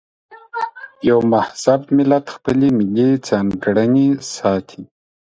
یو مهذب ملت خپلې ملي ځانګړنې ساتي.